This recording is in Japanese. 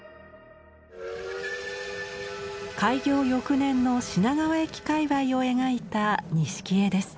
開業翌年の品川駅界わいを描いた錦絵です。